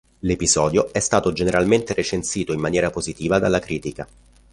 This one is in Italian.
L'episodio è stato generalmente recensito in maniera positiva dalla critica.